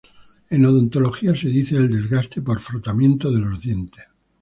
En odontología se dice del desgaste por frotamiento de los dientes.